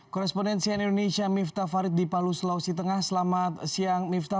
korespondensian indonesia miftah farid di palu sulawesi tengah selamat siang miftah